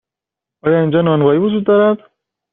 آیا اینجا نانوایی وجود دارد؟